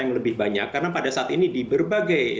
yang lebih banyak karena pada saat ini di berbagai